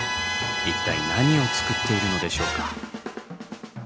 一体何を造っているのでしょうか。